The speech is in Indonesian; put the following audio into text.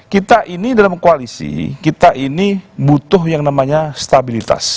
kita ini dalam koalisi kita ini butuh yang namanya stabilitas